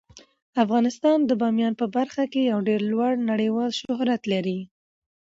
افغانستان د بامیان په برخه کې یو ډیر لوړ نړیوال شهرت لري.